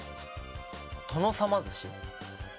殿様寿司？